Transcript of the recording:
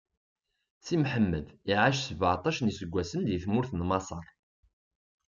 Si Mḥemmed iɛac sbeɛṭac n iseggasen di tmurt n Maṣer.